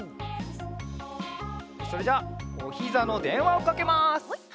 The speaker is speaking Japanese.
それじゃおひざのでんわをかけます。